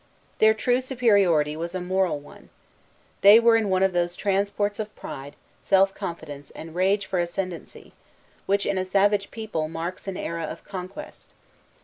Their true superiority was a moral one. They were in one of those transports of pride, self confidence, and rage for ascendency, which, in a savage people, marks an era of conquest.